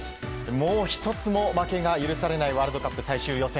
もう、１つも負けが許されないワールドカップ最終予選。